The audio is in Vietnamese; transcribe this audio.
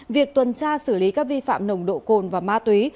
việc tuần tra xử lý các vi phạm nồng độ cồn và ma túy